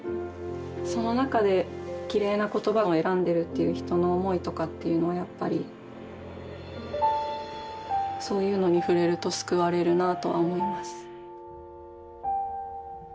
その中できれいな言葉を選んでるっていう人の思いとかっていうのはやっぱりそういうのに触れると救われるなとは思います。